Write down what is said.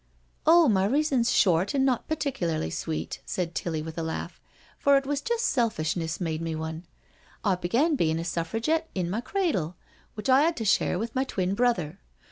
" Oh, my reason's short and not partickly sweet," said Tilly with a laugh, " for it was just selfishness made me one. I began bein' a Suffragette in my cradle, which I *ad to share with my twin brother.